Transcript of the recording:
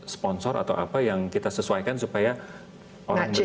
sponsor atau apa yang kita sesuaikan supaya orang bisa